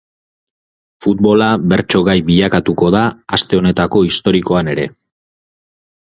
Futbola bertso-gai bilakatuko da aste honetako historikoan ere.